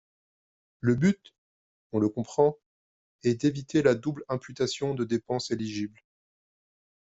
Le but, on le comprend, est d’éviter la double imputation de dépenses éligibles.